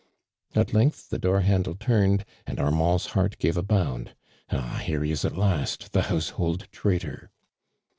At length the door handle turned, and Armand's heart gave a bound. " Ah, here he is at last, the household traitor